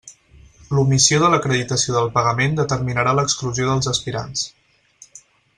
L'omissió de l'acreditació del pagament determinarà l'exclusió dels aspirants.